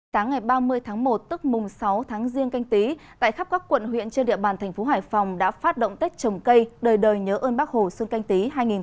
sáng ngày ba mươi tháng một tức mùng sáu tháng riêng canh tí tại khắp các quận huyện trên địa bàn thành phố hải phòng đã phát động tết trồng cây đời đời nhớ ơn bác hồ xuân canh tí hai nghìn hai mươi